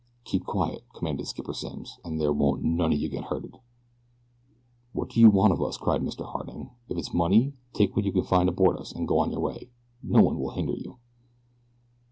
"Keep quiet," commanded Skipper Simms, "an' there won't none of you get hurted." "What do you want of us?" cried Mr. Harding. "If it's money, take what you can find aboard us, and go on your way. No one will hinder you."